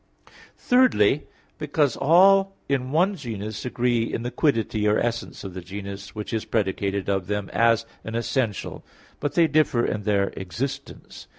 Thirdly, because all in one genus agree in the quiddity or essence of the genus which is predicated of them as an essential, but they differ in their existence.